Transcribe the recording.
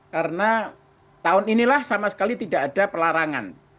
karena tahun inilah sama sekali tidak ada pelarangan